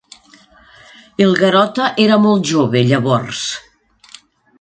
El Garota era molt jove, llavors.